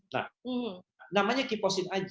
nah namanya keepozin aja